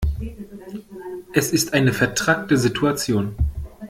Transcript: Es ist eine vetrackte Situation.